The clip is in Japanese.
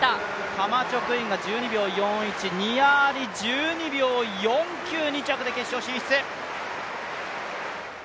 カマチョクインが１２秒４１、ニア・アリ１２秒４９、２着で決勝進出。